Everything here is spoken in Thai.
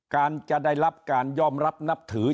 การจะได้รับการยอมรับนับถือ